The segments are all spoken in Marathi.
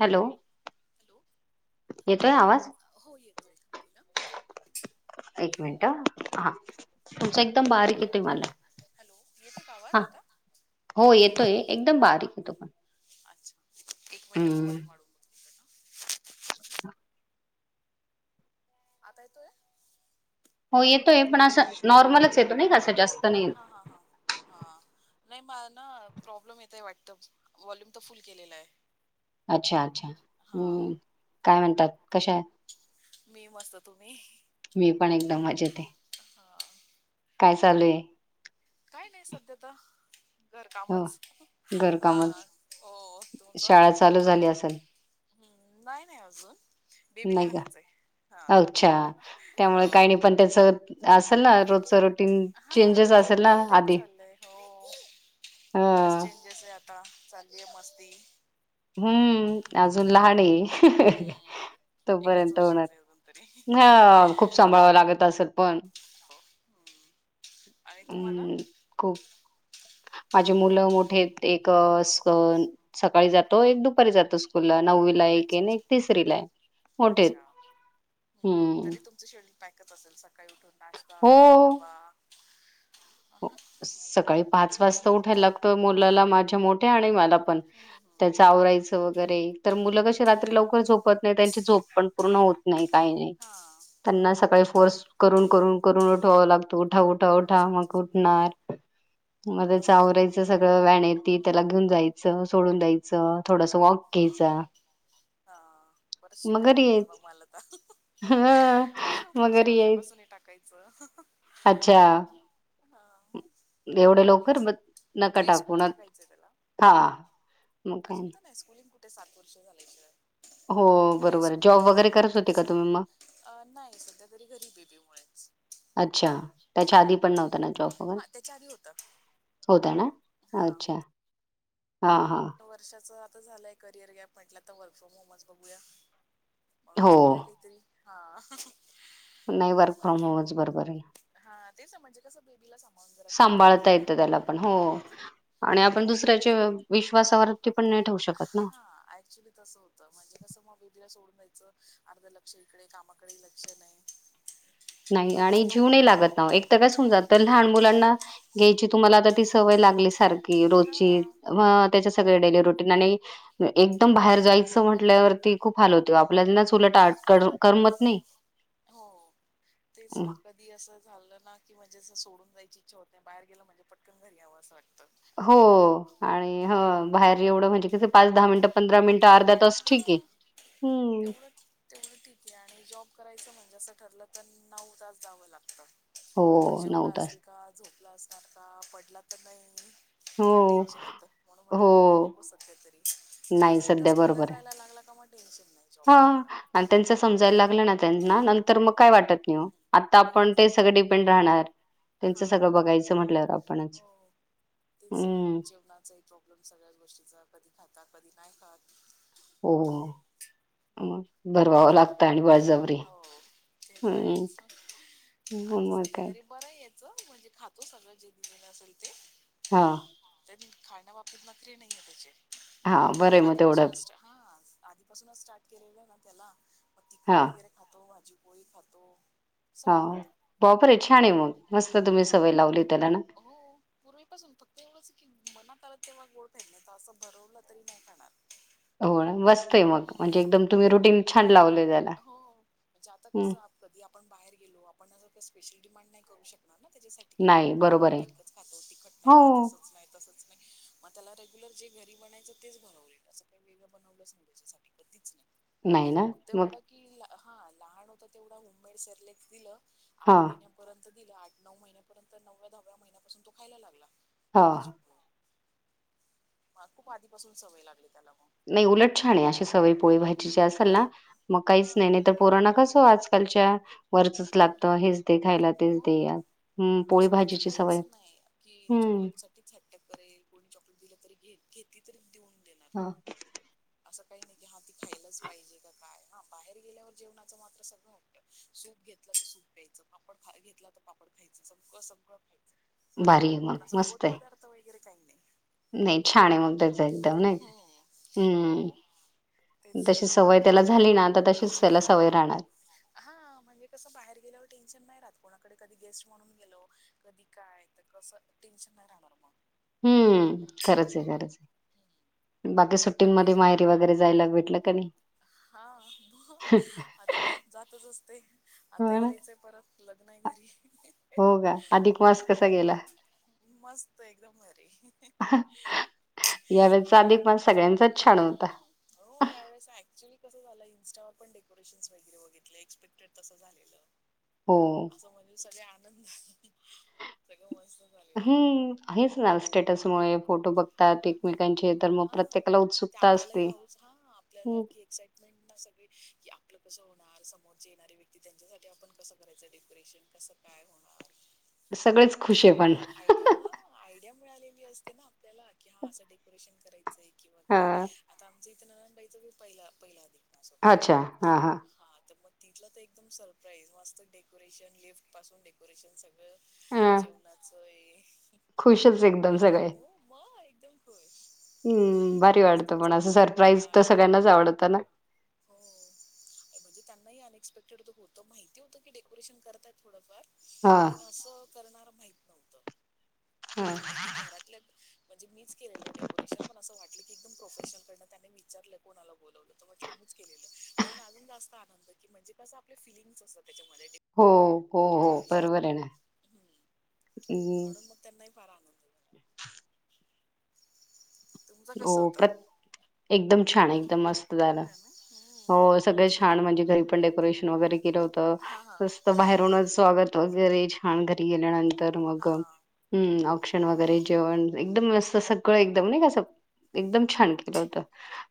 हॅलो. हॅलो हो येतोय बोला. एक मिनिट हा तुमच्या एकदम बारीक येतोय मला. हा हो येतोय एकदम बारीक येतोय पण. हम्म आता येतोय. हो येतोय पण असं नॉर्मलच येतो नाही कां जास्त हा हा हा हा नाही मला ना प्रॉब्लेम येतो आहे वाटतं वॉल्यूम तर फुल केलेला आहे. अच्छा अच्छा हम्म काय म्हण कशा आहात. मी पण एकदम मजेत आहे. काय चालू आहे. काय नाही सध्या त घर कामच ह हो तुमच ह नाही नाही अजून नाही का अच्छा त्यामुळे काही नाही पण त्याच असेल ना रोजच रूटीन चेंजेस असेल. तेच चालय हो बरेच चेंजेस आहे आता चाल केमस्ती हम्म अजून लहान आहे. तोपर्यंत होणार ह खूप सांभाळाव लागत असेल. पण हो आणि तुम्हाला माझी मुलं मोठे आहेत. एक कन सकाळी जात हो एक दुपारी जातो स्कूल नववीला एक आहे. आणि एक तिसरीला आहे मोठे आहेत. हम्म्म [unintelligible] काही उठून नाश्ता डबा सकाळी पाच वाजता उठायला लागत मुलाला माझ्या मोठ्या आणि मला त्याच आवरायचं वैगर तर मुलं कशी रात्री लवकर झोपत नाही त्यांची झोप पण पूर्ण होत नाही, काही नाही त्यांना सकाळी फोर्स करून करून करून उठवावं लागत. उठा उठा उठा मग त्याचा आवरायचं सगळं. व्हॅन येते. त्याला घेऊन जायचं. सोडून द्यायचं. थोडस वॉक घ्यायचा. बरच शिकायला मिळेल मग मला तर, पुढच्या वर्षापासून हे टाकायच. [unintelligible] अच्छा एवढे लवकर म नका टाकू ना. हा मग काय नाही. सात वर्ष झालंय [unintelligible] हो बरोबर आहे जॉब वगैरे करत होते का तुम्ही मग? अच्छा, त्याच्या आधी पण नव्हता ना जॉब? हां त्याच्या आधी होता हां होता. [unintelligible] त वर्षाचं त झालंय करियर गॅप म्हटलं आता वर्क फ्रॉम होमच बघूया. म्हणून चाललंय काहीतरी हां. नाही वर्क फ्रॉम होमच बरोबर आहे. हां तेच म्हणजे कसं बेबीला सां सांभाळता येतं त्याला पण हो आणि आपण दुसऱ्याचे विश्वासावरती पण नाही ठेवू शकत ना. अर्ध लक्ष इकडे कामाकडे लक्ष नाही. नाही आणि जुने लागत एकत कस हुन जात लहान मुलांना घ्यायची तुम्हाला आता ती सव सवय लागली सारख रोजची ह त्याच्या डेली रुटीन आणि एकदम बाहेर जायचं म्हटल्या वरती खूप हाल होते, आपल्यांनाच उलट आठ क करमत नाही. तेच ना कधी असं झालं ना की, म्हणजे असं सोडून जायची इच्छा होत नाही, बाहेर गेलं म्हणजे पटकन घरी यावं असं वाटतं. हो आणि ह बाहेर एवढं म्हणजे कि पाच, दहा मिनिटं पंधरा मिनिटं अर्धा तास ठीक आहे. तेवढं तेवढं ठीक आहे आणि जॉब करायचं म्हण तस ठरलं तर नऊ तास जावं लागतं. मग तो जेवला असेल का? झोपला असेल का पडला तर नाही. टेन्शन येत म्हणून म्हटलं, जॉब नको सध्या तरी एकदा स्कूलला जायला लागला का मग टेन्शन हा आणि त्यांच समजायला लागलं ना नंतर मग काय वाटत न आता आपण ते सगळे डिपेंड राहणार. हां, हो तेच ना जेवणाचाही प्रॉब्लेम सगळ्याच गोष्टीचा कधी खातात कधी नाही खात हो अम्म भरवावं लागतं आणि बळ जबरी हम्म [unintelligible] च म्हणजे खातो सगळं जे दिलेलं असेल ते. हां. तरी खाण्याबाबतीत नखरे नाहीये त्याचे. खूप आधीपासून [unintelligible] हां. आधीपासूनच स्टार्ट केलेलं ना त्याला हा. भाजी पोळी खातो. सग हा हो पूर्वीपासून फक्त एवढंच की मनात आल की तेंवा गोठ नाही तर असं भरवलं तरी नाही खाणार हो मस्तय मग म्हणजे एकदम तुम्ही रुटीन छान लावले हो म्हणजे आता कसं कधी आपण बाहेर गेलो आपण आता कस स्पेशल डिमांड नाही करू शकणार ना त्याच्यासाठी की नको माझं बाळ फिटकच खातो ति खट नाही खात असंच नाही तसंच नाही मग त्याला रेग्युलर जे घरी बनायचं तेच बनवलेल असं काही वेळं बनवलं नाही त्याच्यासाठी कधीच नाही नाही ना मग हा लहान होत तेवढा होममेड सरल्याक दिलं. आठ महिन्यापर्यंत दिलं आठ नऊ महिन्यापर्ंत नव्या दहाव्याहिन्यापासून तो खायला लागला [unintelligible] ह खूप आधीपासून सवय लागली त्याला मग नाही उलट छान अशी सवय पोळी भाजीची असेल ना मग काहीच नाही नाही तर पोरांना कस आजकालच्या वरचच लागतं हे हो तस त्याच काहीच नाही की चॉकलेट साठीच हट्ट करेल कोणी चॉकलेट दिलं तरी घेतली तर देऊन असं काही नाही की हा ती खायलाच पाहिजे का काय हा बाहेर गेल्यावर जेवणाचं मात्र सगळं वाटतं सूप घेतलं तर सूप प्यायच पापड घेतला तर पापड खायचं सगळं सगळं खाईल भारी आहे मग मस्त आहे. [unintelligible] नाही छान मग त्याच एकदम नाही का हम्म तशी सवय त्याला झाली ना आता तशीच त्याला सवय राहणार कोणाकडे कधी गेस्ट म्हणून गेलो कधी काय तर कसं टेन्शन नाही राहणार मग हम्म खरंच आहे खरंच आहे. बाकी हा आता जातच असते आता ही जायचंय परत लग्न आहे घरी. मस्त एकदम भाहेर यावेळेचा अधिक मास सगळ्यांचाच छान होता. इंस्टावर पण डेकोरेशन वगैरे बघितले एक्सपेक्टेड तसं झालेलं असं म्हणून सगळ आण सगळं मस्त हम्म आहेच ना स्टेटसमुळे. फोटो बघतात एकमेकांचे तर मग प्रत्येकाला उत्सुकता असते. हम्म. पलं कसं होणार? समोरचे येणारे व्यक्ती त्यांच्यासाठी आपण कसं करायचं? डेकोरेशन कसं काय होणार? त्याच्यामुळे आयडिया हां आयडिया मिळालेली असते ना? त्याला की हां असं डेकोरेशन कराय चंय किंवा काय आता आमचं इथं नणंदबाईच बी पहिलं पहिलं [unintelligible] अच्छा हां हां. तिथलं तर एकदम सरप्राईज मस्त डेकोरेशन लिफ्टपासून डेकोरेशन सग ळं जेवणाचं एक खुशच एकदम सगळे. हो एकदम खुश मस्त चौरंग, पाट हां हो ये म्हणजे त्यांना अन पेक्टेड होतं होतं माहिती होतं की डेकोरेशन करत आहेत थोडंफार पण असं करणार हम्म. म्हणजे मीच केलेलं डेकोरेशन पण असं वाटलं की, एकदम प्रोफेशनलकडनं त्यांनी विचारलं कोणाला बोलवलं? म्हटलं आम्हीच केलेलं म्हणून अजून जास्त आनंद की म्हणजे कसं आपले फिलिंग्स असतात त्याच्यामध्ये. हो. हो हो बरोबर आहे ना. हम्म. हो प्रत एकदम छान एकदम मस्त झालं हो सगळे छान म्हणजे घरी पण डेकोरेशन वगैरे केलं होतं मस्त बाहेरूनच स्वागत वगैरे छान घरी गेल्यानं तर मग हम्म क्षण वगैरे जेवण एकदम मस्त सगळं एकदम नाही का असं एकदम छान केलं होतं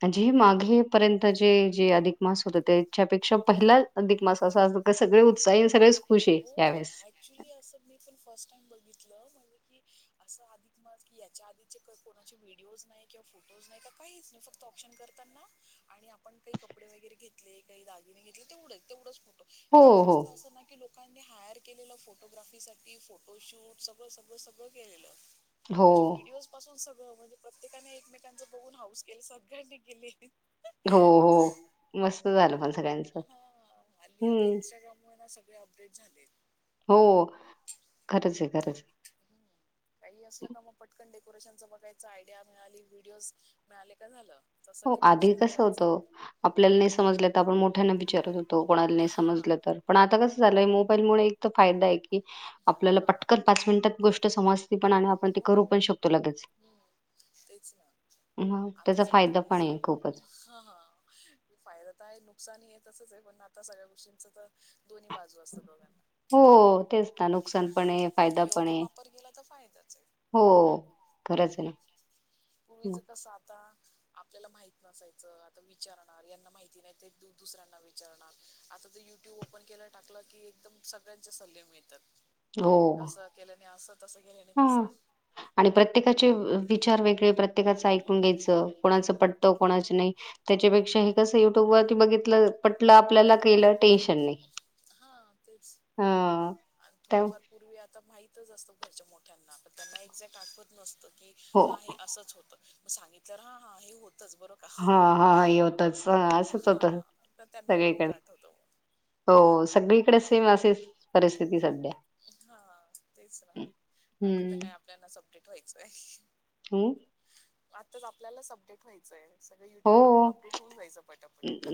म्हणजे मागेपर्यंत जे जे अधिक मास होतं त्याच्यापेक्षा पहिला अधिक मास असा असतो सगळे उत्साही सगळेच हो ऍक्च्युली असं मी पण फर्स्ट टाइम बघितलं म्ह णजे की असं अधिक मास की याच्या आधीचे क कोणाचे व्हिडिओज नाही किंवा फोटोज नाही का, काहीच नाही फक्त ऑप्शन करताना आणि आपण घेतले काही दागिने घेतले तेवढंच तेवढंच फक्त यावेळेस तर असं ना की लो कांनी हायर केलेलं फोटोग्राफीसाठी, फोटोशूट सगळं सगळं सगळं केलेलं. म्हणजे व्हिडिओजपासून सग ळं प्रत्येकाने एकमेकांचं बघून हाऊस केले सगळ्यांनी केले. हो हो मस्त झालं. सगळ्यांचं हम्म. ग्रेड झालेत. हो खरंच आहे खरंच आहे. काही असलं का मग पटकन डे कोरेशन बघायचं आयडिया मिळाली व्हिडिओज मिळाले का झालं. हो आधी कसं होतं आपल्याला नाही समजलं तर आपण मोठ्यांना विचारत होतो कोणाला नाही समजलं तर पण आता कस झालंय मोबाईलमुळे एक तर फायदा आहे की आपल्याला पटकन पाच मिनिटात गोष्ट समज ते पण आणि आपण ते करू पण शकतो लगेच मग त्याचा फायदा ह फायदा तर आहे नुकसान आहे तसच आहे पण सगळ्या गोष्टींच तर दोन्ही बा हो तेच ना नुकसान पण आहे फायदा पण आहे हो खरच ना तूर्वीच कसं आता आपल्याला माहित नसायचं आता विचारणार यांना माहिती नाही दुसऱ्यांना विचारणार आता तर युट्यूब ओपन केला टाकलं कि एकदम सगळ्यांचे सल्ले मिळतात असं केलं असं हा आणि प्रत्येकाचे विचार वेगळे प्रत प्रत्येकाच ऐकून घ्यायचं कोणाच पटतं कोणाचं नाही त्याच्यापेक्षा हे कसं तो ती बघितलं पटलं आपल्याला केलं टेन्शन नाही घरच्या मोठ्यांना त्यांना एक्झॅक्ट आठवत नसत की हा हे असंच होतं मग सांगितलं हा हा हे होत हा हाा यतंच असंच होत सगळीकडे हो सगळीकडे मा परिस्थिती सद्या हा तेच रा आता तर काय आपल्याना स व्हायचंय हम्म आताच आपल्यालाच अपडेट व्हायचंय हो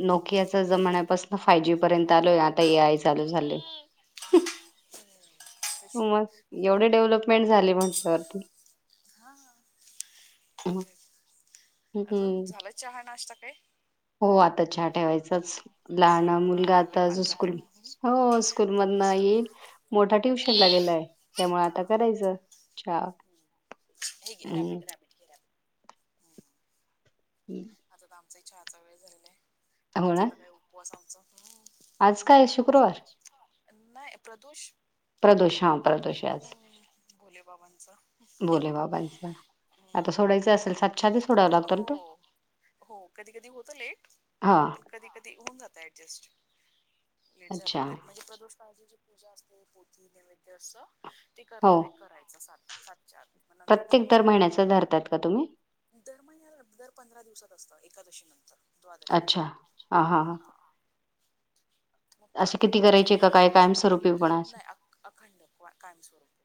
नोकिया जमान्यापासून फाय जी पर्यंत आलोय आता तयच चालू झालं हो मग एवढे डेव्हलपमेंट झाले पण करती हम् हम् हो आता हा ठेवायचाच लहानं मुलगा आता स्कूल हो स्कूल मधन येईल मोठा ट्युशन ला गेला आहे त्यामुळे आता करायचं चार ह हे ग रॅपिड रॅपिडॅ हम् चहा चा वेळ झालाय आता तर काय उपवास आमचा आज काय शुक्रवार नाही प्रदोष प्रदोष हा प्रदोष आज भोलेबाबांचा भोले बाबांचा आता सोडायचं असेल सातच्या आधी सोडाव लागतो ना तो हो कधी कधी होतं लेट पण कधी कधी होऊन जातय [inaudible] लेट झालं तरी म्हणजे प्रदूषजे पूजा असली पोती नैवेद्य ते करताय करायचं [inaudible] चार नंतर जेवण आपल्याला दर महिन्या दर पंधरा दिवसात असतं एकादशी नंतर अच्छा हा हा हा मग पंधरा दिवसात ना असच नाही अखंड कायमस्वरूपी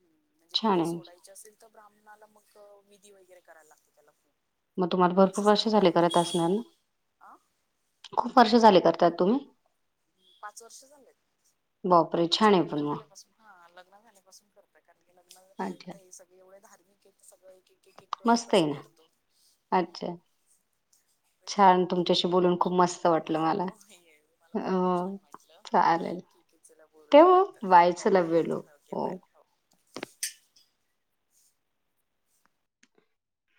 म्हणजे ते सोडायच असेल तर ब्राह्मणाला मग विधी वगैरे करायला लागते त्याला मग तुम्हाला भरपूर वर्ष झाली करत असणार ना? खूप वर्ष झाली कर तात तुम्ही? पाच वर्ष झालेत म्हणजे लग्न झाल्यापाासून हां ल ग्न झाल्यापासून करतोय कारण हे लग्न आता हे सग एवढे [unintelligible] [unintelligible] सगळं हे मस्त ए ना. अच्छा, छान तुमच्याशी बोलून खूप मस्त वाटलं मला. ओ चालेल केव वयचं ल वेळू ओ.